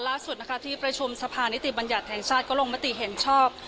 ล่าสุดนะคะที่ประชุมสภานิติบัญญัติแห่งชาติก็ลงมติเห็นชอบ